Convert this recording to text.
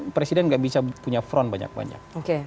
presiden nggak bisa punya front banyak banyak